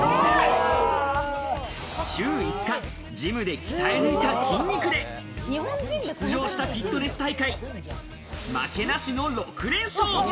週５日、ジムで鍛え抜いた筋肉で、出場したフィットネス大会、負けなしの６連勝。